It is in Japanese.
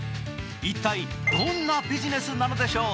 一体どんなビジネスなのでしょう。